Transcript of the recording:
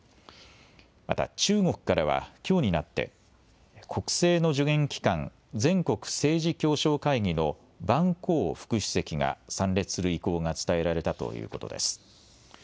また中国からはきょうになって国政の助言機関、全国政治協商会議の万鋼副主席が参列する意向が伝えられたということです。